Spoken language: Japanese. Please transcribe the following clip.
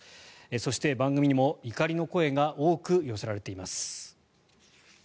そして、番組にも怒りの声が多く寄せられています。